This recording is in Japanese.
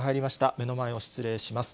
目の前を失礼します。